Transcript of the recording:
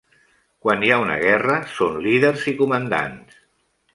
Quan hi ha una guerra, són líders i comandants.